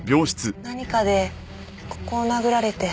何かでここを殴られて。